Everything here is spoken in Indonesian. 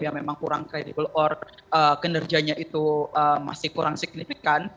yang memang kurang credibel or kinerjanya itu masih kurang signifikan